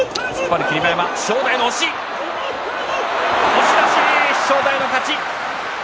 押し出し、正代の勝ち。